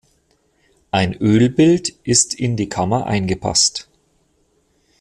Ein Ölbild ist in die Kammer eingepasst.